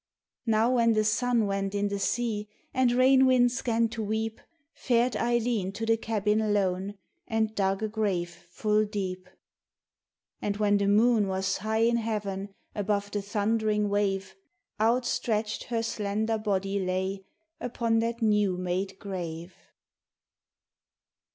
Now when the sun went in the sea and rain winds 'gan to weep Fared Eileen to the cabin lone and dug a grave full deep. And when the moon was high in heaven above the thundering wave Outstretched her slender body lay upon that new made grave.